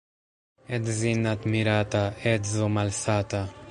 Edzin' admirata — edzo malsata.